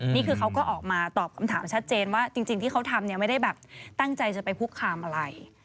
นี่คือเขาก็ออกมาตอบคำถามชัดเจนว่าจริงที่เขาทำเนี่ยไม่ได้แบบตั้งใจจะไปคุกคามอะไร